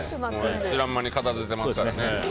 知らん間に片付いてますからね。